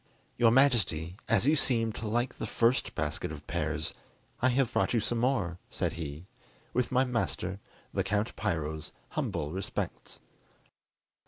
"Your Majesty, as you seemed to like the first basket of pears, I have brought you some more," said he, "with my master, the Count Piro's humble respects."